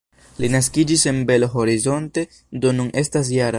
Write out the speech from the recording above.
Li naskiĝis en Belo Horizonte, do nun estas -jara.